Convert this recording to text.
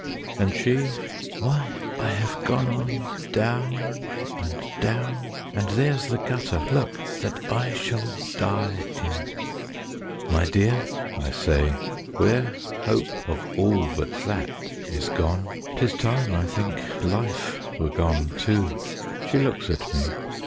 And she—"Why, I have gone on down and down, And there's the gutter, look, that I shall die in!" "My dear," I say, "where hope of all but that Is gone, 'tis time, I think, life were gone too." She looks at me.